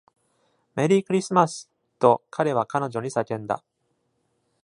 「メリークリスマス！」と彼は彼女に叫んだ。